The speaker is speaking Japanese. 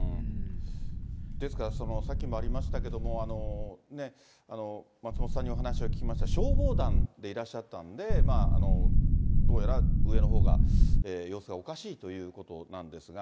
ですから、さっきもありましたけども、松本さんにお話を聞きました、消防団でいらっしゃったんで、どうやら上のほうが、様子がおかしいということなんですが。